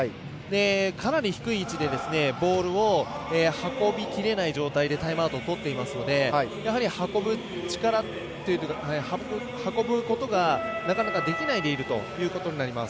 かなり低い位置でボールを運びきれない状態でタイムアウトをとっていますのでやはり運ぶことがなかなかできないでいるということになります。